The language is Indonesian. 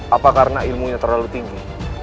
apa karena ilmunya terlalu tinggi